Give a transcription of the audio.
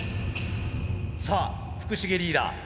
さあ福重リーダー